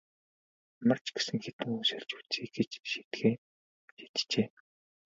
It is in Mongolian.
Ямар ч гэсэн хэдэн үг сольж үзье гэж шийджээ.